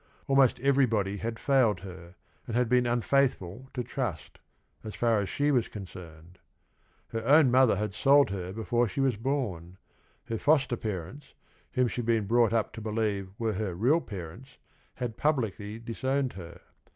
Almost every body had failed her, and had been unfaithful to trust, as far as she was concerned. Her own mother had sold her before she was born. Her foster parents, whom she had been brought up to believe were her real parents, had publicly disowned her.